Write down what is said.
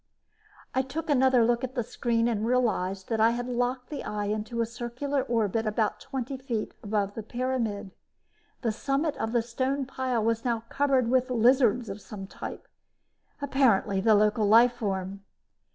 I took another look at the screen and realized that I had locked the eye into a circular orbit about twenty feet above the pyramid. The summit of the stone pile was now covered with lizards of some type, apparently the local life form.